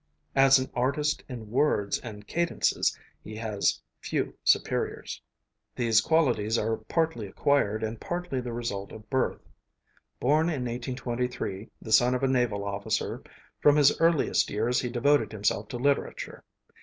As an artist in words and cadences he has few superiors. [Illustration: De Banville] These qualities are partly acquired, and partly the result of birth. Born in 1823, the son of a naval officer, from his earliest years he devoted himself to literature.